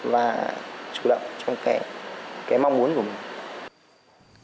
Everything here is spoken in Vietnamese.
và chú động trong cái mong muốn của mình